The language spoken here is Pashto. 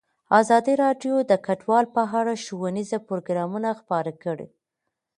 ازادي راډیو د کډوال په اړه ښوونیز پروګرامونه خپاره کړي.